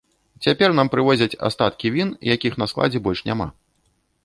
Цяпер нам прывозяць астаткі він, якіх на складзе больш няма.